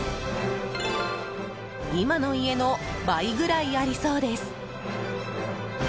今の家の倍ぐらいありそうです。